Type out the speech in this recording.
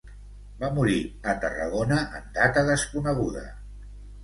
Va morir a Tarragona en data desconeguda.